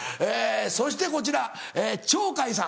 そしてこちら鳥海さん。